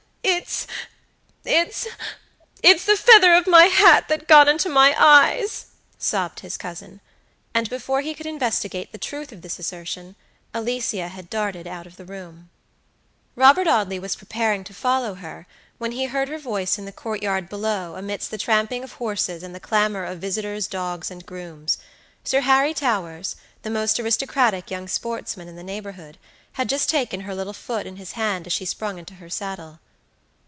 "It'sit'sit's the feather of my hat that got into my eyes," sobbed his cousin; and before he could investigate the truth of this assertion Alicia had darted out of the room. Robert Audley was preparing to follow her, when he heard her voice in the court yard below, amidst the tramping of horses and the clamor of visitors, dogs, and grooms. Sir Harry Towers, the most aristocratic young sportsman in the neighborhood, had just taken her little foot in his hand as she sprung into her saddle.